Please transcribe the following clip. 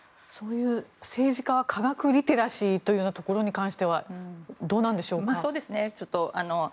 政治家は科学リテラシーということに関してはどうなんでしょうか。